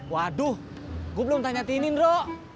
waduh gua belum tanya tini ndro